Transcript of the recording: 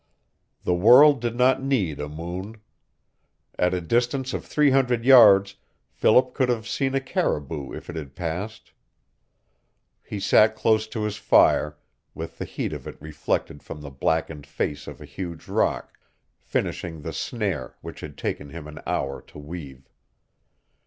The world did not need a moon. At a distance of three hundred yards Philip could have seen a caribou if it had passed. He sat close to his fire, with the heat of it reflected from the blackened face of a huge rock, finishing the snare which had taken him an hour to weave.